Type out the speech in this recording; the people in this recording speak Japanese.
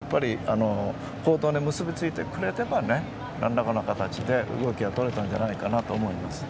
そこはとっさの判断ということが行動に結びついてくれれば何らかの形で動きが取れたんじゃないかと思います。